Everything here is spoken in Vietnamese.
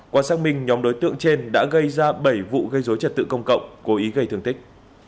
qua xác minh nhóm đối tượng trên đã gây ra bảy vụ gây dối trật tự công cộng cố ý gây thương tích